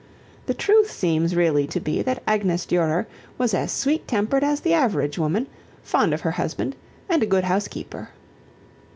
The truth seems really to be that Agnes Durer was as sweet tempered as the average woman, fond of her husband and a good housekeeper.